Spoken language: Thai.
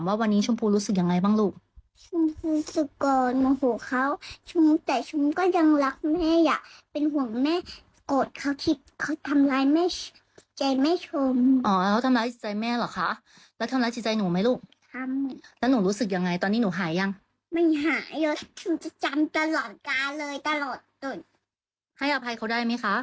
ให้อภัยเขาได้ไหมคะ